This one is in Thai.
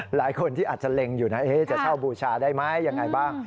หลายคนที่อาจจะเล็งอยู่นะจะเช่าบูชาได้ไหมยังไงบ้าง